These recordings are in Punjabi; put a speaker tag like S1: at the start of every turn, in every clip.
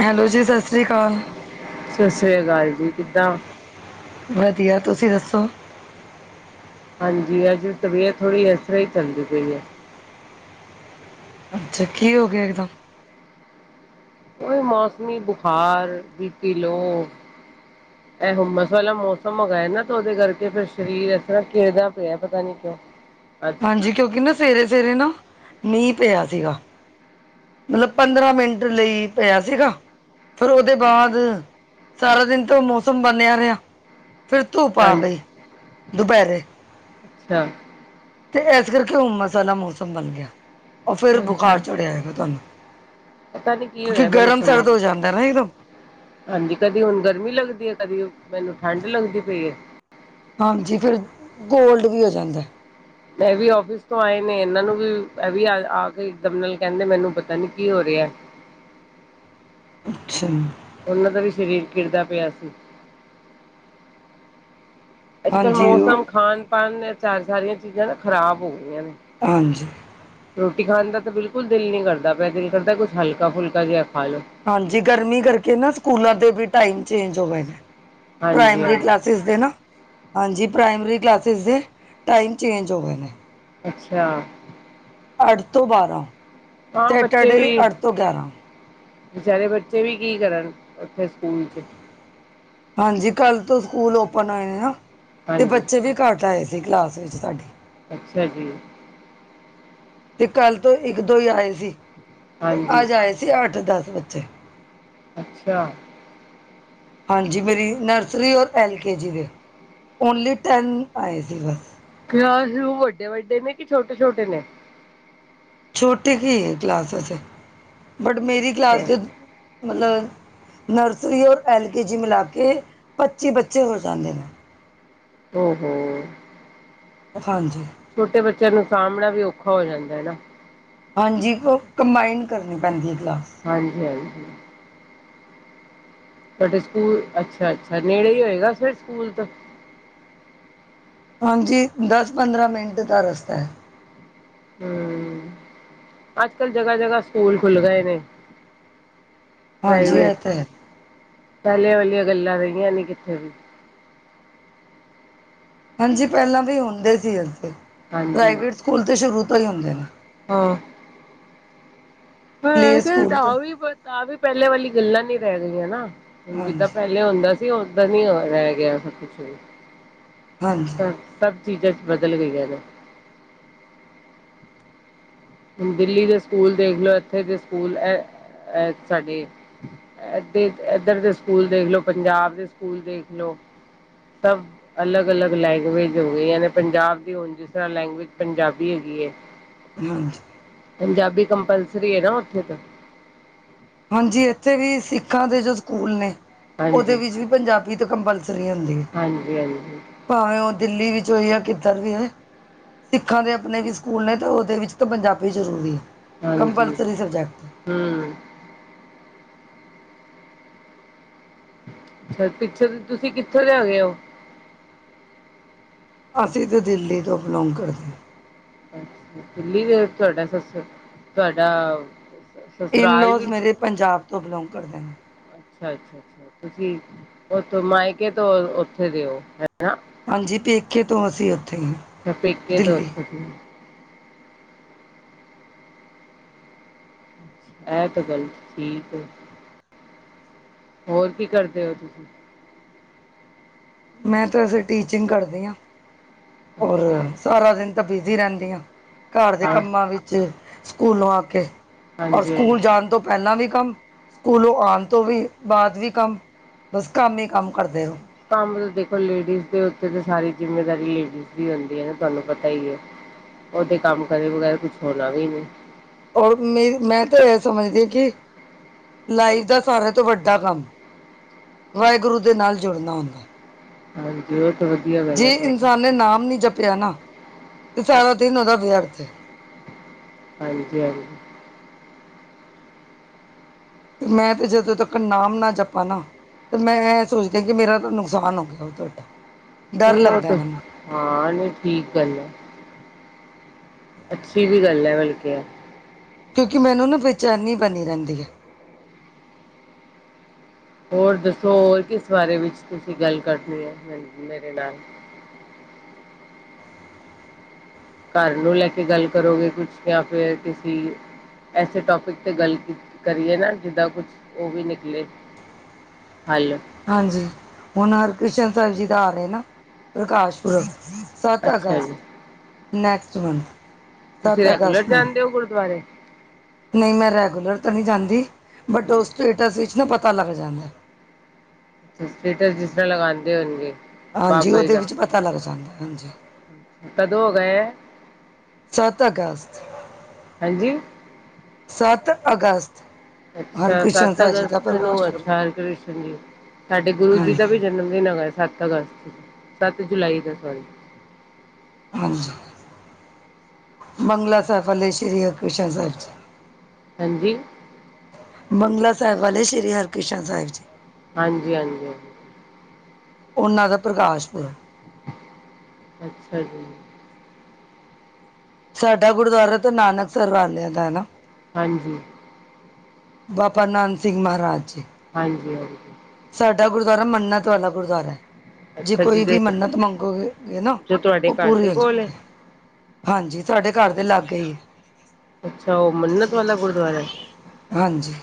S1: ਹੈਲੋ ਜੀ ਸਤਿ ਸ਼੍ਰੀ ਅਕਾਲ
S2: ਸਤਿ ਸ੍ਰੀ ਅਕਾਲ ਜੀ ਕਿੱਦਾ?
S1: ਵਧੀਆ ਤੁਸੀ ਦੱਸੋ?
S2: ਹਾਂਜੀ ਅੱਜ ਤਬੀਅਤ ਥੋੜੀ ਇਸ ਤਰ੍ਹਾਂ ਹੀ ਚੱਲਦੀ ਪਈ ਏ।
S1: ਅੱਛਾ ਕੀ ਹੋ ਗਿਆ ਇੱਕਦਮ?
S2: ਉਈ ਮੌਸਮੀ ਬੁਖਾਰ ਬੀ ਪੀ ਲੋ।
S1: ਹ [inaudible]
S2: ਇਹ ਹੁੰਮਸ ਵਾਲਾ ਮੌਸਮ ਹੋ ਗਿਆ ਨਾ ਤੇ ਉਹਦੇ ਕਰਕੇ ਫਿਰ ਸਰੀਰ ਇਸ ਤਰ੍ਹਾਂ ਕਿਰਦਾ ਪਿਆ ਪਤਾ ਨੀ ਕਿਉਂ। ਆ
S1: ਹਾਂਜੀ ਕਿਉਂਕਿ ਨਾ ਸਵੇਰੇ ਸਵੇਰੇ ਨਾ ਮੀਂਹ ਪਿਆ ਸੀਗਾ। ਮਤਲਬ ਪੰਦਰਾਂ ਮਿੰਟ ਲਈ ਪਿਆ ਸੀਗਾ। ਫਿਰ ਉਹਦੇ ਬਾਅਦ ਸਾਰਾ ਦਿਨ ਤਾਂ ਮੌਸਮ ਬਣਿਆ ਰਿਹਾ। ਫਿਰ ਧੂੱਪ ਆ
S2: ਹਾਂਜੀ
S1: ਗਈ ਦੁਪਹਿਰੇ।
S2: ਅੱਛਾ
S1: ਤੇ ਇਸ ਕਰਕੇ ਉਮਸ ਵਾਲਾ ਮੌਸਮ ਬਣ ਗਿਆ ਉਹ ਫਿਰ ਬੁਖਾਰ ਚੜਿਆਏਗਾ।
S2: ਪਤਾ ਨੀ ਕੀ ਹੋਇਆ ਮੈਨੂੰ
S1: ਗਰਮ
S2: ਸਮਝ
S1: ਸਰਦ ਹੋ ਜਾਂਦਾ ਨਾ ਇੱਕਦਮ
S2: ਹਾਂਜੀ ਕਦੀ ਹੁਣ ਗਰਮੀ ਲੱਗਦੀ ਹੈ ਕਦੀ ਮੈਨੂੰ ਠੰਢ ਲੱਗਦੀ ਪਈ
S1: ਹਾਂਜੀ ਫਿਰ ਗੋਲਡ ਵੀ ਹੋ ਜਾਂਦਾ
S2: ਇਹ ਵੀ ਆਫਿਸ ਤੋਂ ਆਏ ਨੇ ਇਹਨਾਂ ਨੂੰ ਵੀ ਇਹ ਵੀ ਆ ਕੇ ਇਕਦਮ ਨਾਲ ਕਹਿੰਦੇ ਮੈਨੂੰ ਪਤਾ ਨੀ ਕੀ ਹੋ ਰਿਹਾ
S1: ਅੱਛਾ ਜ
S2: ਉਹਨਾਂ ਦਾ ਵੀ ਸਰੀਰ ਕਿਰਦਾ ਪਿਆ ਸੀ ਅੱਜ ਕੱਲ੍ਹ
S1: ਹਾਂਜੀ ਉਹ
S2: ਮੌਸਮ ਖਾਾਨ ਪਣ ਸਾਰੀਆਂ ਚੀਜ਼ਾਂ ਨਾ ਖ਼ਰਾਬ ਹੋ ਗਈਆਂ ਨੇ
S1: ਹਾਂਜੀ
S2: ਰੋਟੀ ਖਾਣ ਦਾ ਤਾਂ ਬਿਲਕੁਲ ਦਿਲ ਨੀ ਕਰਦਾ ਪਿਆ ਦਿਲ ਕਰਦਾ ਕੁਛ ਹਲਕਾ ਫੁਲਕਾ ਜਿਹਾ ਖਾ ਲੋ
S1: ਹਾਂਜੀ ਗਰਮੀ ਕਰਕੇ ਨਾ ਸਕੂਲਾਂ ਦੇ ਵੀ ਟਾਈਮ ਚੇਂਜ ਹੋ ਗਏ ਨੇ
S2: ਹਾਂਜੀ
S1: ਪ੍ਰਮਰੀ ਕਲਾ
S2: ਹਾਂਜੀ
S1: ਕਲਾਸਿਸ ਦੇ ਨਾ ਹਾਂਜੀ ਪ੍ਰਾਇਮਰੀ ਕਲਾਸਿਸ ਦੇ ਟਾਈਮ ਚੇਂਜ ਹੋ ਗਏ ਨੇ
S2: ਅੱਛਾ
S1: ਅੱਠ ਤੋਂ ਬਾਰਾਂ
S2: ਹਾਂ ਬੱਚੇ
S1: ਸੈਟਰਡੇ
S2: ਵੀ
S1: ਅੱਠ ਤੋਂ ਗਿਆਰਾਂ
S2: ਵਿਚਾਰੇ ਬੱਚੇ ਵੀ ਕੀ ਕਰਨ ਉੱਥੇ ਸਕੂਲ 'ਚ
S1: ਹਾਂਜੀ ਕੱਲ੍ਹ ਤੋਂ ਸਕੂਲ ਓਪਨ ਹੋਏ ਨਾ ਤੇ
S2: ਹਾਂਜੀ
S1: ਬੱਚੇ ਵੀ ਘੱਟ ਆਏ ਸੀ ਕਲਾਸ ਵਿੱਚ ਸਾਡੀ।
S2: ਅੱਛਾ ਜੀ
S1: ਤੇ ਕੱਲ੍ਹ ਤੋਂ ਇੱਕ ਦੋ ਹੀ ਆਏ ਸੀ ਤੇ
S2: ਹਾਂਜੀ
S1: ਅੱਜ ਆਏ ਸੀ ਅੱਠ ਦਸ ਬੱਚੇ।
S2: ਅੱਛਾ
S1: ਹਾਂਜੀ ਮੇਰੀ ਨਰਸਰੀ ਔਰ ਐਲ ਕੇ ਜੀ ਦੇ ਓਨਲੀ ਟੈਨ ਆਏ ਸੀ ਬਸ।
S2: ਵੱਡੇ ਵੱਡੇ ਨੇ ਕਿ ਛੋਟੇ ਛੋਟੇ ਨੇ
S1: ਛੋਟੀ ਕੀ ਹੈ ਕਲਾਸ ਅਸੀ ਬਟ ਮੇਰੀ
S2: ਅੱਛਾ
S1: ਕਲਾਸ ਦੇ ਮਤਲਬ ਨਰਸਰੀ ਔਰ ਐਲ ਕੇ ਜੀ ਮਿਲਾ ਕੇ ਪੱਚੀ ਬੱਚੇ ਹੋ ਜਾਂਦੇ ਨੇ
S2: ਹਮ ਹਮ
S1: ਹਾਂਜੀ
S2: ਛੋਟੇ ਬੱਚਿਆਂ ਨੂੰ ਸਾਂਭਣਾ ਵੀ ਔਖਾ ਹੋ ਜਾਂਦਾ ਹੈ ਨਾ
S1: ਹਾਂਜੀ ਕੰਬਾਈਨ ਕਰਨੀ ਪੈਂਦੀ ਹੈ ਕਲਾਸ
S2: ਹਾਂਜੀ ਹਾਂਜੀ ਬਟ ਸਕੂਲ ਅੱਛਾ ਅੱਛਾ ਨੇੜੇ ਹੀ ਹੋਏਗਾ ਫ ਸਕੂਲ ਤਾਂ
S1: ਹਾਂਜੀ ਦਸ ਪੰਦਰਾਂ ਮਿੰਟ ਦਾ ਰਸਤਾ ਹੈ
S2: ਹਮ ਅੱਜ ਕੱਲ ਜਗ੍ਹਾ ਜਗ੍ਹਾ ਸਕੂਲ ਖੁੱਲ ਗਏ ਨੇ
S1: ਹਾਂਜੀ
S2: ਪ੍ਰਾਈਵੇਟ
S1: ਇਹ ਤਾਂ ਹੈ
S2: ਪਹਿਲਿਆਂ ਵਾਲੀਆਂ ਗੱਲਾਂ ਰਹੀਆਂ ਨੀ ਕਿੱਥੇ ਵੀ
S1: ਹਾਂਜੀ ਪਹਿਲਾਂ ਵੀ ਹੁੰਦੇ ਸੀ
S2: ਹਾਂਜੀ।
S1: ਇਵੇ ਸਕੂਲ ਤੇ ਸ਼ੁਰੂ ਤੋਂ ਹੀ ਹੁੰਦੇ ਨੇ
S2: ਹਾਂ
S1: ਪਲੇ
S2: ਹ
S1: ਸਕੂਲ
S2: ਆ
S1: ਤੋਂ
S2: ਵੀ ਆ ਵੀ ਪਹਿਲੇ ਵਾਲੀ ਗੱਲਾਂ ਨੀ ਰਹਿ ਗਈਆਂ ਨਾ ਹੁਣ
S1: ਹਾਂਜੀ
S2: ਜਿੱਦਾਂ ਪਹਿ ਹੁੰਦਾ ਸੀ ਓਦਾਂ ਨ ਰਹਿ ਗਿਆ ਸਭ ਕੁਛ ਵੀ
S1: ਹਾਂਜੀ
S2: ਸਭ ਚੀਜ਼ਾਂ ਚ ਬਦਲ ਗਈਆਂ ਦਿੱਲੀ ਦੇ ਸਕੂਲ ਦੇਖ ਲ ਇੱਥੇ ਦੇ ਸਕੂਲ ਸਾਡੇ ਇ ਇਏਧਰ ਦੇ ਸਕੂਲ ਦੇਖਲੋ ਪੰਜਾਬ ਦੇ ਸਕੂਲ ਦੇਖਲੋ ਸਭ ਅਲੱਗ ਅਲੱਗ ਲੈਂਗੁਏਜ ਹੋ ਗਈ ਯਾਨੀ ਪੰਜਾਬ ਦੀ ਹੁਣ ਜਿਸ ਤਰ੍ਹਾਂ ਲੈਂਗੁਏਜ ਪੰਜਾਬੀ ਹੈਗੀ ਹੈ
S1: ਹ
S2: ਪੰਜਾਬੀ ਕੰਪਲਸਰੀ ਹੈ ਨਾ ਉੱਥੇ ਤਾਂ
S1: ਹਾਂਜੀ ਇੱਥੇ ਵੀ ਸਿੱਖਾਂ ਦੇ ਜੋ ਸਕੂਲ ਨੇ ਉਹਦੇ
S2: ਹਾਂਜੀ,
S1: ਵਿੱਚ ਵੀ ਪੰਜਾਬੀ ਤਾਂ ਕੰਪਲਸਰੀ ਹੁੰਦੀ
S2: ਹਾਂਜੀ ਹਾਂਜੀ
S1: ਭਾਵੇਂ ਉਹ ਦਿੱਲੀ ਵਿੱਚ ਹੋਈ ਜਾਂ ਕਿੱਧਰ ਵੀ ਹੋਏ ਸਿੱਖਾਂ ਦੇ ਆਪਣੇ ਵੀ ਸਕੂਲ ਨੇ ਅਤੇ ਉਹਦੇ ਵਿੱਚ ਤਾਂ ਪੰਜਾਬੀ ਜ਼ਰੂਰੀ ਹੈ
S2: ਹਾਂਜੀ
S1: ਕੰਪਲਸਰੀ ਸਬਜੈਕਟ
S2: ਹਮ ਅ ਪਿੱਛੇ ਤੁਸੀਂ ਕਿੱਥੋਂ ਦੇ ਆ ਗਏ ਹੋ
S1: ਅਸੀਂ ਤਾਂ ਦਿੱਲੀ ਤੋਂ ਬਿਲੋਂਗ ਕਰਦੇਾਂ
S2: ਦਿੱਲੀ ਤੇ ਵੇ ਤੁਹਾਡਾ ਸੱਸ ਤੁਹਾਡਾ ਸਸੁਰਾਲ ਵੀ
S1: ਇਨਲੋਜ਼ ਮੇਰੇ ਪੰਜਾਬ ਤੋਂ ਬਿਲੋਂਗ ਕਰਦੇ ਨੇ
S2: ਅੱਛਾ, ਅੱਛਾ, ਅੱਛਾ ਤੁਸੀਂ ਉਥੋਂ ਮਾਇਕੇ ਤੋਂ ਉੱਥੇ ਦਿਓ ਹਨ
S1: ਹਾਂਜੀ ਪੇਕੇ ਤੋਂ ਅਸੀਂ ਉੱਥੇ
S2: ਤਾਂ ਪੇਕੇ ਤੋਂ
S1: ਦਿੱਲੀ
S2: ਉਥੋਂ ਦੀ ਇਹ ਤਾਂ ਗੱਲ ਠੀਕ ਐ ਹੋਰ ਕੀ ਕਰਦੇ ਹੋ ਤੁਸੀਂ?
S1: ਮੈਂ ਤਾਂ ਵਸੇ ਟੀਚਿੰਗ ਕਰਦੀ ਹਾਂ ਔਰ
S2: ਅੱਛਾ
S1: ਸਾਰਾ ਦਿਨ ਤਾਂ ਬਿਜੀ ਰਹਿੰਦੀ ਆ ਘਰ ਦੇ
S2: ਹਾਂ
S1: ਕੰਮਾਂ ਵਿੱਚ ਸਕੂਲੋਂ ਆ ਕੇ ਔਰ
S2: ਹਾਂਜੀ ਹਾਂਜੀ
S1: ਸਕੂਲ ਜਾਣ ਤੋਂ ਪਹਿਲਾਂ ਵੀ ਕੰਮ, ਸਕੂਲ ਆਣ ਤੋਂ ਵੀ ਬਾਅਦ ਵੀ ਕੰਮ ਬਸ ਕੰਮ ਹੀ ਕੰਮ ਕਰਦੇ ਰੋ
S2: ਕੰਮ ਤਾਂ ਦੇਖੋ ਲੇਡੀਜ਼ ਦੇ ਉੱਤੇ ਤਾਂ ਸਾਰੀ ਜਿੰਮੇਦਾਰੀ ਦਿਤੀ ਦੀ ਹੁੰਦੀ ਹੈ, ਨਾ ਤੁਹਾਨੂੰ ਪਤਾ ਹੀ ਹੈ। ਓਦੇ ਕੰਮ ਕਰੇ ਵਗੈਰਾ, ਕੁਛ ਹੋਣਾ ਵੀ ਨੀ
S1: ਔਰ ਮੇ ਮੈਂ ਤਾਂ ਇਹ ਸਮਝਦੀ ਹਾਂ ਕਿ ਲਾਈਫ ਦਾ ਸਾਰਿਆਂ ਤੋਂ ਵੱਡਾ ਕੰਮ, ਵਾਹਿਗੁਰੂ ਦੇ ਨਾਲ ਜੁੜਨਾ ਹੁੰਦਾ।
S2: ਹਾਂਜੀ ਬਹੁਤ ਵਧੀਆ, ਗੱਲ
S1: ਜੇ
S2: ਹੈ ਤੁਹਾਡੀ
S1: ਇਨਸਾਨ ਨੇ ਨਾਮ ਨੀ ਜਪਿਆ ਨਾ, ਤੇ ਸਾਰਾ ਦਿਨ ਉਹਦਾ ਵਿਅਰਥ ਹੈ।
S2: ਹਾਂਜੀ-ਹਾਂਜੀ,
S1: ਮੈਂ ਤਾਂ ਜਦੋਂ ਤੱਕ ਨਾਮ ਨਾ ਜਪਾ ਨਾ, ਤੇ ਮੈਂ ਸੋਚਦੀ ਕਿ ਮੇਰਾ ਤਾਂ ਨੁਕਸਾਨ ਹੋ ਗਿਆ, ਬਹੁਤ ਵੰਡਾ
S2: ਨਹੀਂ ਆ, ਹਾਂ ਨਹੀਂ ਠੀਕ ਗੱਲ ਹੈ। ਅੱਛੀ ਵੀ ਗੱਲ ਹੈ ਬਲਕਿ
S1: ਕਿਉਂਕਿ ਮੈਨੂੰ ਨਾ ਬੇਚੈਨੀ ਬਣੀ ਰਹਿੰਦੀ ਹੈ।
S2: ਹੋਰ ਦੱਸੋ? ਹੋਰ ਕਿਸ ਬਾਰੇ ਵਿੱਚ ਤੁਸੀਂ ਗੱਲ ਕਰਨੀ ਐ, ਮੇਰੇ ਨਾਲ ਘਰ ਨੂੰ ਲੈ ਕੇ ਗੱਲ ਕਰੋਗੇ, ਕੁਛ ਜਾਂ ਫੇਰ ਕਿਸੀ ਐਸੇ ਟੋਪਿਕ ਤੇ ਗੱਲ ਕਰੀਏ, ਨਾ ਜਿੱਦਾਂ ਕੁਛ ਉਹ ਵੀ ਨਿਕਲੇ ਹੈਲੋ,
S1: ਹਾਂਜੀ, ਹੁਣ ਹਰਿਕ੍ਰਿਸ਼ਨ ਸਾਹਿਬ ਜੀ ਦਾ ਆ ਰਹੇ ਨਾ ਪ੍ਰਕਾਸ਼ ਪੁਰਬ ਸੱਤ
S2: ਅੱਛਾ ਜੀ
S1: ਅਗਸਤ ਨੈਕਸਟ ਮੰਥ
S2: ਤੁਸੀਂ
S1: ਸੱਤ
S2: ਰੈਗੂਲਰ
S1: ਅਗਸਤ ਨੂੰ
S2: ਜਾਂਦੇ ਹੋ ਗੁਰਦੁਆਰੇ?
S1: ਨਹੀਂ ਮੈਂ ਰੈਗੂਲਰ ਤਾਂ ਨਹੀਂ ਜਾਂਦੀ, ਬਟ ਉਹ
S2: ਅੱਛਾ
S1: ਸਟੇਟਸ ਵਿੱਚ ਨਾ ਪਤਾ ਲੱਗ ਜਾਂਦਾ।
S2: ਸਟੇਟਸ ਜਿਸ ਤਰ੍ਹਾਂ ਲਗਾਦੇ ਹੋਣਗੇ।
S1: ਹਾਂਜੀ,
S2: ਬਾਬਾ ਜੀ
S1: ਉਹਦੇ
S2: ਦਾ
S1: ਵਿੱਚ ਪਤਾ ਲੱਗ ਜਾਂਦਾ ਹਾਂਜੀ।
S2: ਕਦੋਂ ਹੋ ਗਏ ਹੈ
S1: ਸੱਤ ਅਗਸਤ।
S2: ਹੈ ਜੀ।
S1: ਸੱਤ ਅਗਸਤ।
S2: ਅੱਛਾ
S1: ਹਰਿਕ੍ਰਿਸ਼ਨ
S2: ਸੱਤ
S1: ਸਾਹਿਬ ਜੀ ਦਾ
S2: ਅਗਸਤ ਨੂੰ,
S1: ਪ੍ਰਕਾਸ਼ ਪੁਰਬ
S2: ਅੱਛਾ ਹਰ ਕ੍ਰਿਸ਼ਨ ਜੀ ਸਾਡੇ ਗੁਰੂ ਜੀ
S1: ਹਾਂਜੀ
S2: ਦਾ ਵੀ ਜਨਮ ਦਿਨ ਆ ਸੱਤ ਅਗਸਤ ਸੱਤ ਜੁਲਾਈ ਦਾ ਸੋਰੀ
S1: ਹਾਂਜੀ, ਬਗਲਾ ਸਾਹਿਬ ਫਲੇੇ ਸ਼੍ਰੀ ਹਰਕ੍ਰਿਸ਼ਨ ਸਾਹਿਬ ਜੀ।
S2: ਹਾਂਜੀ,
S1: ਬੰਗਲਾ ਸਾਹਿਬ ਵਾਲੇ ਸ਼੍ਰੀ ਹਰਿਕ੍ਰਿਸ਼ਨ ਸਾਹਿਬ ਜੀ।
S2: ਹਾਂਜੀ, ਹਾਂਜੀ।
S1: ਉਹਨਾਂ ਦਾ ਪ੍ਰਕਾਸ ਪੂਰਬ,
S2: ਅੱਛਾ ਜੀ।
S1: ਸਾਡਾ ਗੁਰਦੁਆਰਾ ਤੋਂ ਨਾਨਕਸਰ ਵਾਲਿਆਂ ਦਾ ਹੈ ਨਾ
S2: ਹਾਂਜੀ।
S1: ਬਾਬਾ ਨੰਦ ਸਿੰਘ ਮਹਾਰਾਜ ਜੀ।
S2: ਹਾਜੀ, ਹਾਂਜੀ।
S1: ਸਾਡਾ ਗੁਰਦੁਆਰਾ ਮੰਨਤ ਵਾਲਾ ਗੁਰਦੁਆਰਾ। ਜੇ
S2: ਅੱਛਾ
S1: ਕੋਈ
S2: ਜਿਹਦੇ
S1: ਵੀ ਮੰਨਤ ਮੰਗੋ, ਨਾ
S2: ਜੋ ਤੁਹਾਡੇ
S1: ਉਹ
S2: ਘਰ
S1: ਪੂਰੀ
S2: ਦੇ
S1: ਹੋ
S2: ਕੋਲ
S1: ਜਾਂਦੀ ਹੈ। ਹਾਂਜੀ, ਤੁਹਾਡੇ ਘਰ ਦੇ ਲਾਗੇ ਹੀ
S2: ਅੱਛਾ, ਉਹ ਮੰਨਤ ਵਾਲਾ ਗੁਰਦੁਆਰਾ ਹੈ।
S1: ਹੈ ਹਾਂਜੀ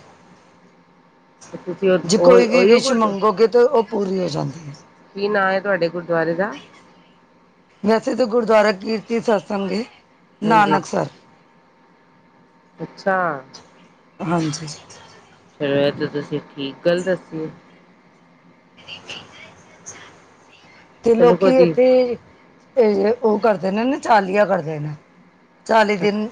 S2: ਤੁਸੀਂ
S1: ਜੇ
S2: ਉਹ
S1: ਕੋਈ ਵੀ
S2: ਉਹੀਓ
S1: ਵਿਸ਼
S2: ਗੁਰਦੁਆਰਾ
S1: ਮੰਗੋਗੇ, ਤਾਂ ਉਹ ਪੂਰੀ ਹੋ ਜਾਂਦੀ ਹੈ।
S2: ਕੀ ਨਾਂ ਹੈ, ਤੁਹਾਡੇ ਗੁਰਦੁਆਰੇ ਦਾ?
S1: ਵੈਸੇ ਤਾਂ ਗੁਰਦੁਆਰਾ ਕੀਰਤੀ ਸਤਸੰਗੇ
S2: ਹਾਂਜੀ
S1: ਨਾਨਕਸ
S2: ਅੱਛਾ
S1: ਹਾਂਜੀ
S2: ਚਲੋ ਇਹ ਤਾਂ ਤੁਸੀਂ ਠੀਕ ਗੱਲ ਦੱਸਓ
S1: ਤੇ
S2: ਚਲੋ
S1: ਲੋਕੀ
S2: ਕਦੀ
S1: ਇੱਥੇ ਉਹ ਕਰਦੇ ਨੇ ਨਾ ਚਾਲੀਆ ਕਰਦੇ ਨੇ ਚਾਲੀ ਦਿਨ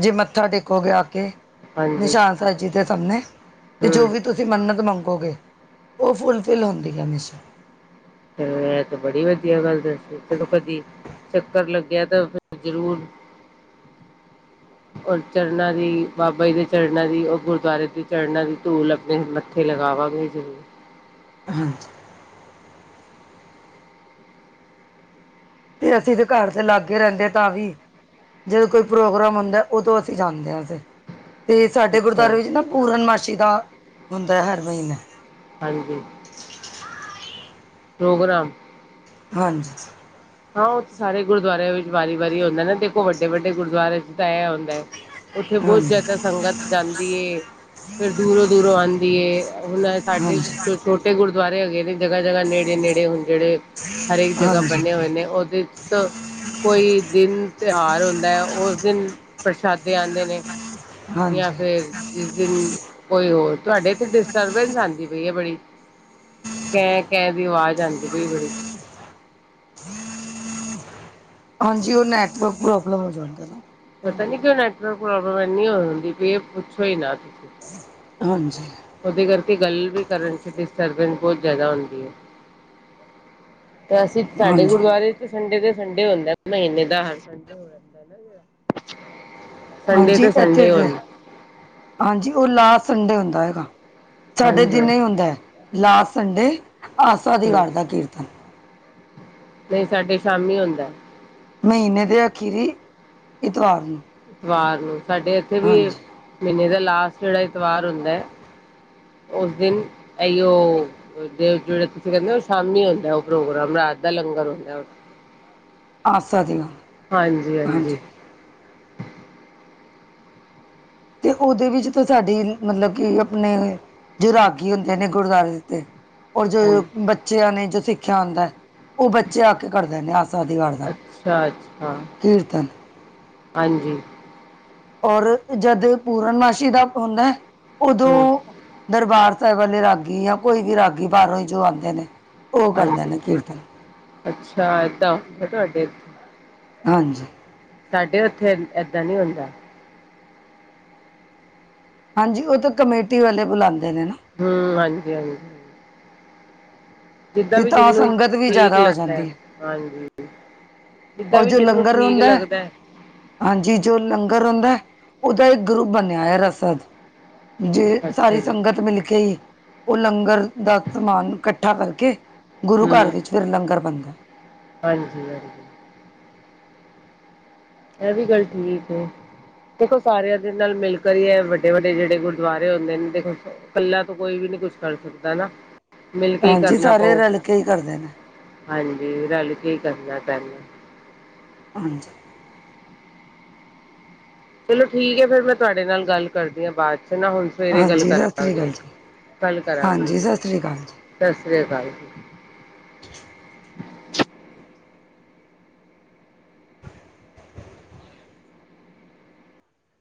S1: ਜੇ ਮੱਥਾ ਟੇਕੋਗੇ ਆ ਕੇ
S2: ਹਾਂਜੀ
S1: ਨਿਸ਼ਾਨ ਸਾਹਿ ਜੀ ਦੇ ਸਮਣੇ ਅਤੇ
S2: ਹੂੰ
S1: ਜੋ ਵੀ ਤੁਸੀਂ ਮੰਨਤ ਮੰਗੋਗੇ ਉਹ ਫੁਲਫਿਲ ਹੁੰਦੀ ਹੈ ਮਸ਼
S2: ਚ ਇਹ ਤੇ ਬੜੀ ਵਧੀਆ ਗੱਲ ਦੱਸ ਜਦੋਂ ਕਦੀ ਚੱਕਰ ਲੱਗਿਆ ਤਾਂ ਫਿਰ ਜਰੂਰ
S1: [inaudible]
S2: ਉਹ ਚਰਨਾਂ ਦੀ ਬਾਬਾ ਜੀ ਦੇ ਚਰਨਾਂ ਦੀ ਉਹ ਗੁਰੂਦੁਆਰੇ ਦੇ ਚਰਨਾਂ ਦੀ ਧੂਲ ਆਪਣੇ ਫਿਰ ਲਗਾਵਾਂ ਗੇ ਜਰੂਰ
S1: ਹਾਂਜੀ। ਤੇ ਅਸੀਂ ਤੇ ਘਰ ਦੇ ਲਾਗੇ ਰਹਿੰਦੇ ਤਾਂ ਵੀ ਜਦੋਂ ਕੋਈ ਪ੍ਰੋਗਰਾਮ ਹੁੰਦਾ ਉਦੋਂ ਅਸੀਂ ਜਾਂਦੇ ਹਾਂ ਫੇਰ ਤੇ ਸਾਡੇ
S2: ਅੱਛਾ
S1: ਗੁਰਦੁਆਰੇ ਵਿੱਚ ਨਾ ਪੂਰਨਮਾਸੀੀ ਦਾ ਹੁੰਦਾ ਹੈ ਹਰ ਮਹੀਨੇ
S2: ਹਾਂਜੀ। ਪ੍ਰੋਗਰਾਮ
S1: ਹਾਂਜੀ
S2: ਹਾਂ ਉਹ ਸਾਰੇ ਗੁਰਦੁਆਰਿਆਂ ਵਿੱਚ ਵਾਰੀ ਵਾਰੀ ਹੁੰਦਾ ਨਾ ਦੇਖੋ ਵੱਡੇ ਵੱਡੇ ਗੁਰਦੁਆਰੇ ਚ ਤਾਂ ਇਹ ਹੁੰਦਾ ਹੈ ਉੱਥੇ ਬਹੁਤ ਜਿਆਦਾ
S1: ਹਾਂਜੀ
S2: ਸੰਗਤ ਜਾਂਦੀ ਫੇਰ ਦੂਰੋਂ ਦੂਰੋਂ ਆਉਂਦੀ ਏ ਹੁਣ ਸਾਡੇ
S1: ਹਾਂਜੀ
S2: ਛੋਟੇ ਗੁਰਦੁਆਰੇ ਹੈਗੇ ਨੇ ਜਗ੍ਹਾ ਜਗ੍ਹਾ ਨੇੜੇ ਨੇੜ ਹੁਣ ਜਿਹੜੇ ਹਰੇਕ ਜਗ੍ਹਾ
S1: ਹਾਂਜੀ
S2: ਬਣਿਆ ਹੋਇ ਉਹਦੇ ਚ ਕੋਈ ਦਿਨ ਤਿਉਹਾਰ ਹੁੰਦਾ ਹੈ ਉਸ ਦਿਨ ਪ੍ਰਸ਼ਾਦੇ ਆਉਂਦੇ ਨੇ ਜਾਂ
S1: ਹਾਂਜੀ
S2: ਫੇਿਰ ਜਿਸ ਦਿਨ ਕੋਈ ਹੋਰ ਤੁਹਾਡੇ ਤੇ ਡਿਸਟਰਬੈਂਸ ਆਉਂਦੀ ਪਈ ਹੈ ਬੜੀ ਕੈਂ ਕਹਿ ਦੀ ਆਵਾਜ਼ ਆਉਂਦੀ ਪਈ ਬੜੀ
S1: ਹਾਂਜੀ ਉਹ ਨੈਟਵਰਕ ਪ੍ਰੋਬਲਮ ਹੋ ਜਾਂਦਾ ਨਾ ਕਈ
S2: ਪਤਾ ਨੀ
S1: ਵਾਰ
S2: ਕਿ ਨੈਟਵਰਕ ਪ੍ਰੋਬਲਮ ਐੰਨੀ ਹੋ ਹੁੰਦੀ ਇਹ ਪੁੱਛੋ ਹੀ ਨਾ ਤੁਸੀਂ
S1: ਹਾਂਜੀ
S2: ਉਹਦੇ ਕਰਕੇ ਗੱਲ ਵੀ ਕਰਨ ਚ ਡਿਸਟਰਬੈਂਸ ਬਹੁਤ ਜਿਆਦਾ ਹੁੰਦੀ ਹੈ ਤੇ ਅਸੀਂ ਸਾਡੇ
S1: ਹਾਂਜੀ
S2: ਗੁਰਦੁਆਰੇ ਸੰਡੇ ਦੇ ਸੰਡੇ ਹੁੰਦਾ ਮਹੀਨੇ ਦਾ ਹਰ ਸੰਡੇ ਹੋ ਜਾਂਦਾ ਨਾ ਜਿੜਾ ਸੰਡੇ
S1: ਹਾਂਜੀ
S2: ਤੇ
S1: ਇੱਥੇ
S2: ਸੰਡੇ
S1: ਤੇ ਹਾਂਜੀ ਉਹ ਲਾਸਟ ਸੰਡੇ ਹੁੰਦਾ ਹੈਗਾ ਸਾਡੇ
S2: ਹਾਂਜੀ
S1: ਦਿਨ ਹੀ ਹੁੰਦਾ ਹੈ ਲਾਸਟ ਸੰਡੇ ਆਸਵਾਦੀ ਕਰਾਰ ਦਾ ਕੀਰਤਨ
S2: ਨਹੀਂ ਸਾਡੇ ਸ਼ਾਮੀ ਹੁੰਦਾ
S1: ਮਹੀਨੇ ਦੇ ਅਖੀਰੀ ਇਤਵਾਰ ਨੂੰ
S2: ਤਵਾਰ ਨੂੰ ਸਾਡੇ ਇੱਥੇ ਵੀ
S1: ਹਾਂਜੀ
S2: ਮਹੀਨੇ ਦਾ ਲਾਸਟ ਜਿਹੜਾ ਇਤਵਾਰ ਹੁੰਦਾ ਹੈ ਉਸ ਦਿਨ ਇ ਉਹ ਜਿਹੜਾ ਤੁਸੀਂ ਕਹਿੰਦੇ ਹੋ ਉਹ ਸ਼ਾਮੀ ਹੁੰਦਾ ਉਹ ਪ੍ਰੋਗਰਾਮ ਰਾਤ ਦਾ ਲੰਗਰ ਹੁੰਦਾ
S1: ਆ ਸਧ ਗ
S2: ਹਾਂਜੀ ਹਾਂਜੀ
S1: ਤੇ ਉਹਦੇ ਵਿੱਚ ਤਾਂ ਸਾਡੀ ਮਤਲਬ ਕਿ ਆਪਣੇ ਜੋ ਰਾਗੀ ਹੁੰਦੇ ਨੇ ਗੁਰਦੁਆਰੇਤੇ ਔਰ ਜੋ
S2: ਹਾਂਜੀ
S1: ਬੱਚਿਆਂ ਨੇ ਜੋ ਸਿੱਖਿਆ ਹੁੰਦਾ ਹੈ ਉਹ ਬੱਚੇ ਆ ਕੇ ਕਰ ਦਦੇ ਆਸ ਆਦੀ ਵਾਰ ਦਾ
S2: ਅੱਛਾ-ਅੱਛਾ
S1: ਕੀਰਤਨ
S2: ਹਾਂਜੀ
S1: ਔਰ ਜਦ ਪੂਰਨਮਾਸ਼ੀ ਦਾ ਹੁੰਦਾ ਹੈ ਉਦੋਂ
S2: ਹੂੰ
S1: ਦਰਬਾਰ ਸਾਹਿਬ ਵਾਲੇ ਰਾਗੀ ਯਾ ਕੋਈ ਵੀ ਰਾਗੀ ਬਾਹਰੋਂ ਹੀ ਜੋ ਆਂਦੇ ਨੇ ਉਹ ਕਰਦੇ
S2: ਹਾਂਜੀ,
S1: ਨੇ ਕੀਰਤਨ
S2: ਅੱਛਾ ਏਦਾਂ ਹੁੰਦਾ ਤੁਹਾਡੇਥ।
S1: ਹਾਂਜੀ
S2: ਸਾਡੇ ਉੱਥੇ ਇਏਦਾਂ ਨਹੀਂ ਹੁੰਦਾ।
S1: ਹਾਂਜੀ, ਉਹ ਤਾਂ ਕਮੇਟੀ ਵਾਲੇ ਬੁਲਾਉਂਦੇ ਨੇ ਨਾ।
S2: ਹਮ, ਹਾਂਜੀ ਹਾਂਜੀ। ਜਿੱਦਾਂ
S1: ਤੇ
S2: ਵੀ
S1: ਤਾਂ
S2: ਜਿਹਨੂੰ
S1: ਸੰਗਤ ਵੀ
S2: ਠੀਕ
S1: ਜ਼ਿਆਦਾ ਹੋ
S2: ਲੱਗਦਾ
S1: ਜਾਂਦੀ
S2: ਹੈ, ਹਾਂਜੀ। ਜਿੱਦਾਂ
S1: ਔਰ
S2: ਵੀ
S1: ਜੋ
S2: ਜਿਹਨੂੰ
S1: ਲੰਗਰ
S2: ਠੀਕ
S1: ਹੁੰਦਾ ਹੈ
S2: ਲੱਗਦਾ।
S1: ਹਾਂਜੀ, ਜੋ ਲੰਗਰ ਹੁੰਦਾ, ਉਹਦਾ ਇੱਕ ਗਰੁੱਪ ਬਣਿਆ ਹੈ- ਰਸਦ। ਜੇ
S2: ਅੱਛਾ
S1: ਸਾਰੀ
S2: ਜੀ
S1: ਸੰਗਤ ਮਿਲ ਕੇ ਹੀ ਉਹ ਲੰਗਰ ਦਾ ਸਮਾਨ ਇਕੱਠਾ ਕਰਕੇ ਗੁਰੂ-ਘਰ
S2: ਹੂੰ
S1: ਵਿੱਚ ਫਿਰ ਲੰਗਰ ਬਣਦਾ।
S2: ਹਾਂਜੀ ਹਾਂਜੀ। ਇਹ ਵੀ ਗੱਲ ਠੀਕ ਹੈ। ਦੇਖੋ ਸਾਰਿਆਂ ਦੇ ਨਾਲ ਮਿਲ ਕਰੀਏ ਵੱਡੇ ਵੱਡੇ ਜਿਹੜੇ ਗੁਰਦੁਆਰੇ ਹੁੰਦੇ ਨੇ ਦੇਖੋ ਕੱਲਾ ਤੋਂ ਕੋਈ ਵੀ ਨੀ ਕੁਛ ਕਰ ਸਕਦਾ ਨਾ ਮਿਲ ਕੇ ਹੀ
S1: ਹਾਂਜੀ
S2: ਕਰਨਾ
S1: ਸਾਰੇ
S2: ਪਊ
S1: ਰਲ ਕੇ ਹੀ ਕਰਦੇ ਨੇ
S2: ਹਾਂਜੀ ਰਲ ਕੀ ਕਰਨਾ ਪੈੂੰ
S1: ਹਾਂਜੀ
S2: ਚਲੋ ਠੀਕ ਹੈ ਫੇਿਰ ਮੈਂ ਤੁਹਾਡੇ ਨਾਲ ਗੱਲ ਕਰਦੀ ਹਾਂ ਬਾਅਦ ਚ ਨਾ ਹੁਣ ਸਵੇਰੇ ਗੱਲ
S1: ਹਾਂਜੀ ਸਤਿ ਸ੍ਰੀ ਅਕਾਲ
S2: ਕਰਾਂਗੇ
S1: ਜੀ
S2: ਗੱਲ ਕਰਾਂਗੇ
S1: ਹਾਂਜੀ
S2: ਜੀ
S1: ਸਤਿ ਸ੍ਰੀ ਅਕਾਲ ਜੀ
S2: ਸਤਿ ਸ੍ਰੀ ਅਕਾਲ ਜੀ